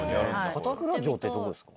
片倉城ってどこですか？